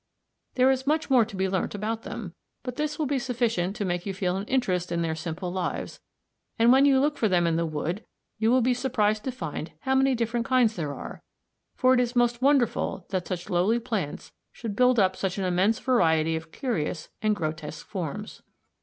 There is much more to be learnt about them, but this will be sufficient to make you feel an interest in their simple lives, and when you look for them in the wood you will be surprised to find how many different kinds there are, for it is most wonderful that such lowly plants should build up such an immense variety of curious and grotesque forms.